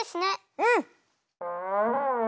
うん！